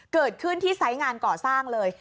เกิดขึ้นที่ไซส์งานก่อสร้างเลย